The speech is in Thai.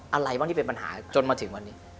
อะไรบ้างที่เป็นปัญหาจนมาถึงวันนี้